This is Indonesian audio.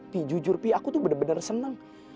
pi jujur pi aku tuh bener bener seneng